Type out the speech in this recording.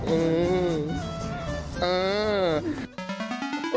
อืมอืม